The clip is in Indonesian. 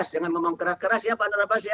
jangan ngomong keras keras ya pak andara bas ya